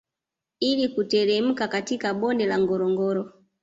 Ili kuteremka katika bonde la ngorongoro